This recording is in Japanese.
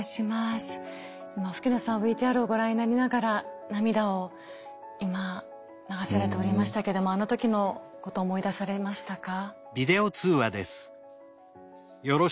吹野さんＶＴＲをご覧になりながら涙を今流されておりましたけどもあの時のこと思い出されましたか？